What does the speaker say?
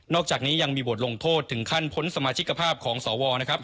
อกจากนี้ยังมีบทลงโทษถึงขั้นพ้นสมาชิกภาพของสวนะครับ